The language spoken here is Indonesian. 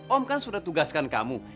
om kan sudah tugaskan kamu